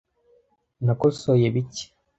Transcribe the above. Nakosoye bike.